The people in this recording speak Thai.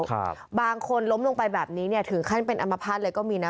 ครับบางคนล้มลงไปแบบนี้เนี่ยถึงขั้นเป็นอัมพาตเลยก็มีนะ